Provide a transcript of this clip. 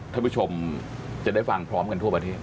ท่านผู้ชมจะได้ฟังพร้อมกันทั่วประเทศ